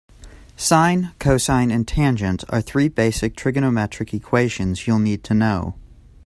Sine, cosine and tangent are three basic trigonometric equations you'll need to know.